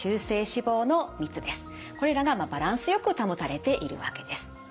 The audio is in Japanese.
これらがバランスよく保たれているわけです。